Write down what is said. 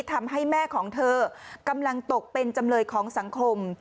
ทำให้แม่ของเธอกำลังตกเป็นจำเลยของสังคม